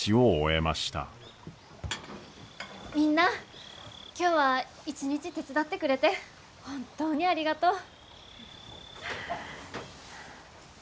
みんな今日は一日手伝ってくれて本当にありがとう！